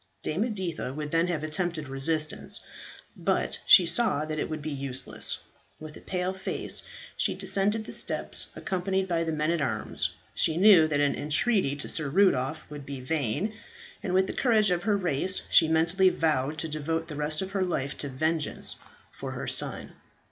Dame Editha would then have attempted resistance; but she saw that it would be useless. With a pale face she descended the steps, accompanied by the men at arms. She knew that any entreaty to Sir Rudolph would be vain, and with the courage of her race she mentally vowed to devote the rest of her life to vengeance for her son.